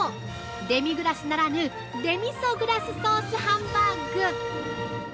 デミグラスならぬデミソグラスソースハンバーグ。